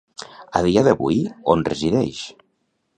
A dia d'avui on resideix?